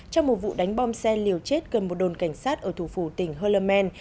trong một vụ đánh bom xe liều chết gần một đồn cảnh sát ở thủ phủ tỉnh hollerman